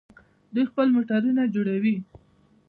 دوی خپل موټرونه جوړوي.